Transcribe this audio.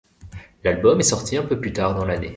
L’album est sorti un peu plus tard dans l’année.